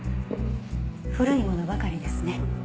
古いものばかりですね。